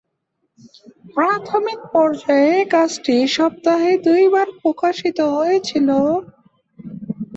প্রাথমিক পর্যায়ে কাগজটি সপ্তাহে দু'বার প্রকাশিত হয়েছিল।